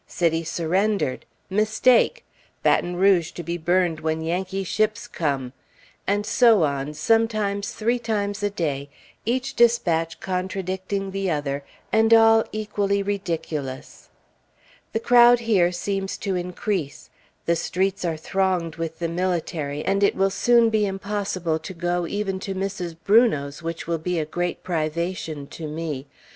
"City surrendered." "Mistake." "Baton Rouge to be burned when Yankee ships come." And so on, sometimes three times a day, each dispatch contradicting the other, and all equally ridiculous. The crowd here seems to increase. The streets are thronged with the military, and it will soon be impossible to go even to Mrs. Brunot's, which will be a great privation to me....